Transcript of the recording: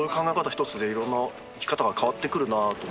ひとつでいろんな生き方が変わってくるなと思って。